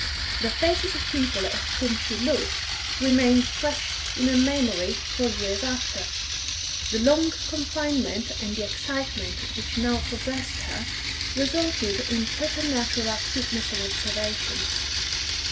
The faces of people at whom she looked remained fresh in her memory for years after; the long confinement and the excitement which now possessed her resulted in preternatural acuteness of observation.